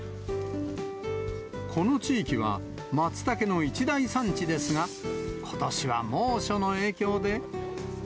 この地域はマツタケの一大産地ですが、ことしは猛暑の影響で。